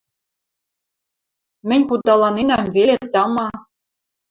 – Мӹнь худаланенӓм веле, тама...